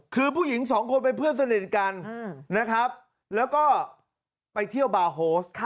คือผู้หญิงสองคนเป็นเพื่อนสนิทกันนะครับแล้วก็ไปเที่ยวบาร์โฮส